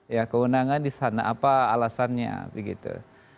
ya kewenangan di sana apa alasannya begitu